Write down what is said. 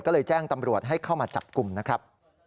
ก็เลยแจ้งตำรวจให้เข้ามาจับกลุ่มนะครับ